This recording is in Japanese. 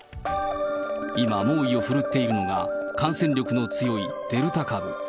今、猛威を振るっているのが、感染力の強いデルタ株。